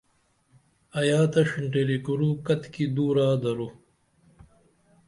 ایا تہ شننٹیری کورو کتکی دورا درو؟